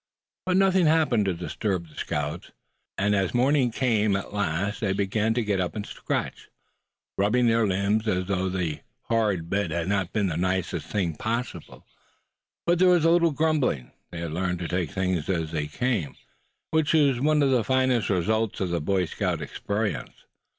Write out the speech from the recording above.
But nothing happened to disturb the scouts; and as morning came at last they began to get up and stretch, rubbing their limbs as though the hard bed had not been the nicest thing possible. But there was little grumbling. They had learned to take things as they came; which is one of the finest results of Boy Scout experience.